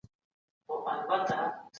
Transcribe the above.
احمد شاه شاهرخ میرزا ته څه وبخښل؟